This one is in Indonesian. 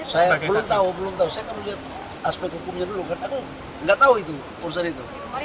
saya belum tahu belum tahu saya kamu lihat aspek hukumnya dulu karena aku nggak tahu itu urusan itu